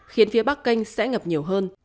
khiến phía bắc canh sẽ ngập nhiều hơn